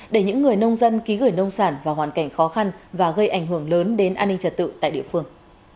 để những người nông dân ký gửi nông sản vào hoàn cảnh khó khăn và gây ảnh hưởng lớn đến an ninh trật tự tại địa phương